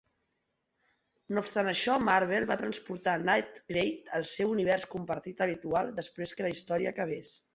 No obstant això, Marvel va transportar Nate Grey al seu univers compartit habitual després que la història acabés.